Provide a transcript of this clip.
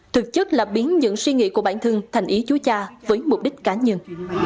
thực chất là biến những suy nghĩ của bản thân thành ý chú cha với mục đích cá nhân